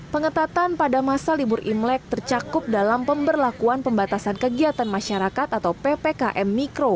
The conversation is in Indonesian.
pengetatan pada masa libur imlek tercakup dalam pemberlakuan pembatasan kegiatan masyarakat atau ppkm mikro